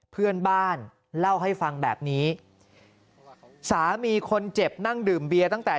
เพื่อนบ้านเล่าให้ฟังแบบนี้สามีคนเจ็บนั่งดื่มเบียร์ตั้งแต่